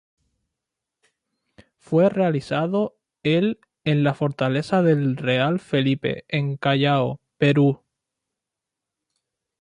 Fue realizado el en la Fortaleza del Real Felipe en Callao, Perú.